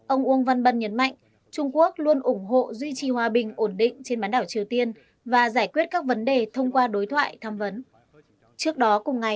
ông uông văn bân nhấn mạnh trung quốc luôn ủng hộ duy trì hòa bình ổn định trên bán đảo triều tiên và giải quyết các vấn đề thông qua đối thoại tham vấn